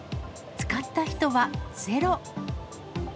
使った人はゼロ。